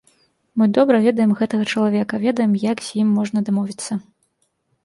Мы добра ведаем гэтага чалавека, ведаем, як з ім можна дамовіцца.